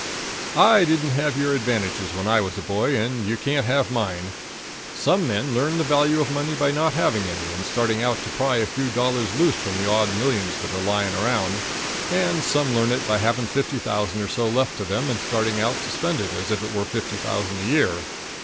I didn't have your advantages when I was a boy, and you can't have mine. Some men learn the value of money by not having any and starting out to pry a few dollars loose from the odd millions that are lying around; and some learn it by having fifty thousand or so left to them and starting out to spend it as if it were fifty thousand a year.